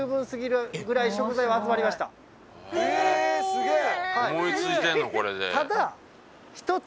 すげえ！